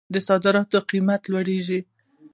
د صادراتو قیمت رالویږي.